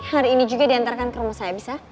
hari ini juga diantarkan ke rumah saya bisa